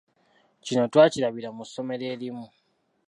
Kino twakirabira mu ssomero erimu.